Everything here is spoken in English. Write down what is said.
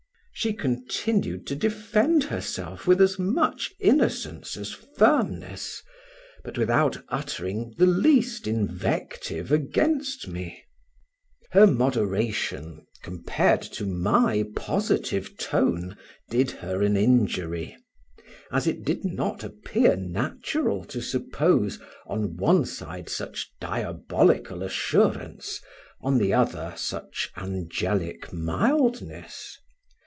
She continued to defend herself with as much innocence as firmness, but without uttering the least invective against me. Her moderation, compared to my positive tone, did her an injury; as it did not appear natural to suppose, on one side such diabolical assurance; on the other, such angelic mildness.